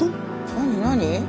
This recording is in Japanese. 何何？